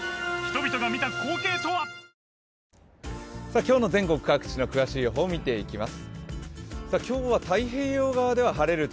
今日の全国各地の詳しい予想を見ていきます。